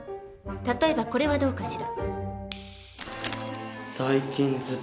例えばこれはどうかしら。